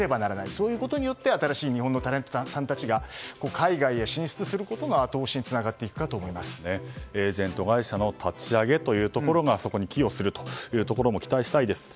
そういうことによって新しい日本のタレントさんたちが海外へ進出することの後押しにエージェント会社の立ち上げというところがそこに寄与するというところも期待したいです。